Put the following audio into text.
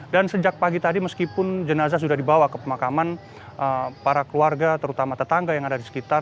dan sejak pagi tadi meskipun jenasa sudah dibawa ke pemakaman para keluarga terutama tetangga yang ada di sekitar